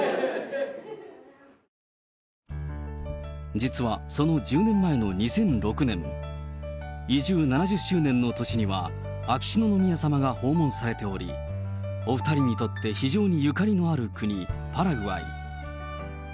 実はその１０年前の２００６年、移住７０周年の年には、秋篠宮さまが訪問されており、お２人にとって非常にゆかりのある国、パラグアイ。